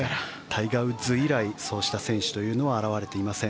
タイガー・ウッズ以来そうした選手は現れていません。